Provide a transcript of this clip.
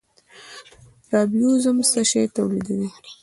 رایبوزوم څه شی تولیدوي؟